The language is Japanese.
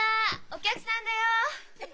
お客さんだよ。